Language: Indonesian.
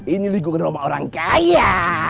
ini lingkungan rumah orang kaya